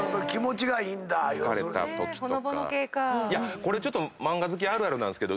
これちょっと漫画好きあるあるなんですけど。